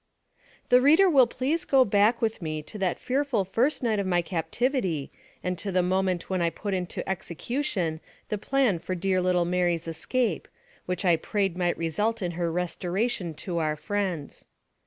THE reader will please go back with me to that fearful first night of my captivity, and to the moment when I put into execution the plan for dear little Mary's escape, which I prayed might result in her restoration to our friends.